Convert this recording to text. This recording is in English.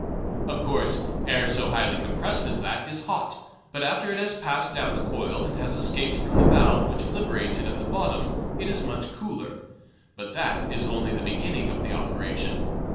Of course air so highly compressed as that is hot, but after it has passed down the coil and has escaped from the valve which liberates it at the bottom it is much cooler. But that is only the beginning of the operation.